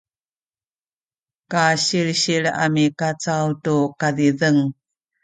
kasilsil a mikacaw tu kazizeng